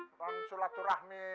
mau menjelang lebaran